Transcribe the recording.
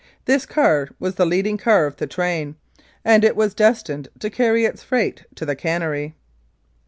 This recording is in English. This car was the leading car of the train, and it was destined to carry its freight to the cannery.